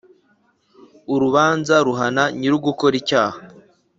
urubanza ruhana nyir ugukora icyaha.